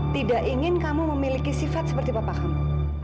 tidak ingin kamu memiliki sifat seperti bapak kamu